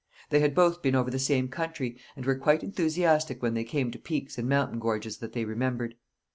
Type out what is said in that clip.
They had both been over the same country, and were quite enthusiastic when they came to peaks and mountain gorges that they remembered.